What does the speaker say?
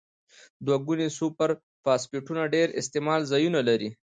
دوه ګونې سوپر فاسفیټونه ډیر استعمال ځایونه لري.